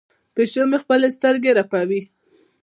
پیشو مې خپلې سترګې رپوي.